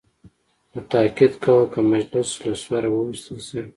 ده تاکید کاوه که مجلس له سوره وویستل شي.